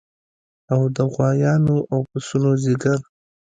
او د غوایانو او پسونو ځیګر